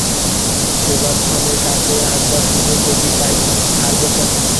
সেবার ছলে কাছে আসবার সুযোগ যদি পাই ছাড়ব কেন।